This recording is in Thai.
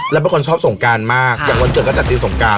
แล้วเป็นคนชอบสงการมากอย่างวันเกิดก็จัดทีมสงการ